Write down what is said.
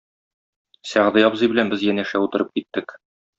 Сәгъди абзый белән без янәшә утырып киттек.